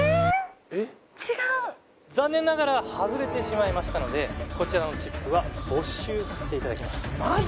違う残念ながら外れてしまいましたのでこちらのチップは没収させていただきますマジ？